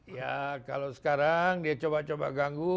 ya kalau sekarang dia coba coba ganggu